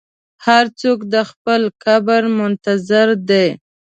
هر څوک د خپل قبر منتظر دی.